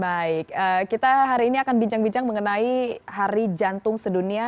baik kita hari ini akan bincang bincang mengenai hari jantung sedunia